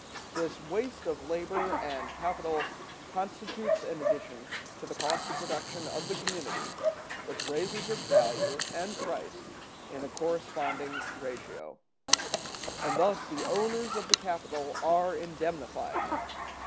This waste of labor and capital constitutes an addition to the cost of production of the commodity, which raises its value and price in a corresponding ratio, and thus the owners of the capital are indemnified.